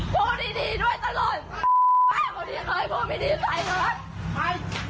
พูดดีด้วยตลอดป้าเขาดีเคยพูดไม่ดีใส่เถอะ